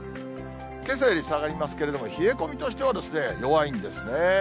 けさより下がりますけれども、冷え込みとしては弱いんですね。